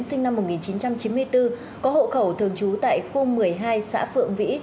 sinh năm một nghìn chín trăm chín mươi bốn có hộ khẩu thường trú tại khu một mươi hai xã phượng vĩ